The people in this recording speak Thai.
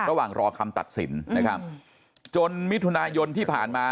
ระหว่างรอคำตัดสินนะครับจนมิถุนายนที่ผ่านมา